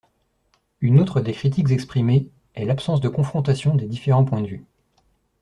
Une autre des critiques exprimées est l'absence de confrontation des différents points de vue.